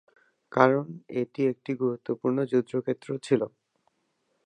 কারণ, এটি একটি গুরুত্বপূর্ণ যুদ্ধক্ষেত্র ছিল।